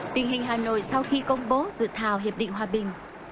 tình hình hà nội sau khi công bố dự thảo hiệp định hòa bình